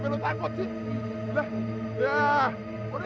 apapun saya percaya sama dia